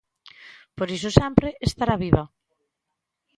Por iso sempre estará viva.